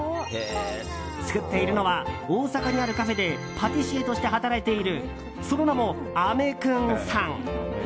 作っているのは大阪にあるカフェでパティシエとして働いているその名も、あめくんさん。